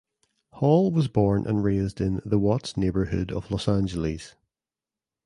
Hall was born and raised in the Watts neighborhood of Los Angeles.